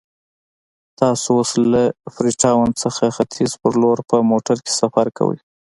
تاسو اوس له فري ټاون څخه ختیځ په لور په موټر کې سفر کوئ.